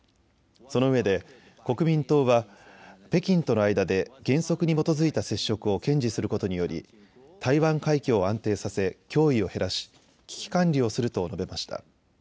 そのうえで国民党は北京との間で原則に基づいた接触を堅持することにより台湾海峡を安定させ脅威を減らし危機管理をすると述べました。